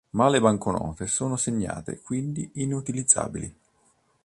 Ma le banconote sono segnate, quindi inutilizzabili.